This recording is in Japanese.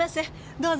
どうぞ。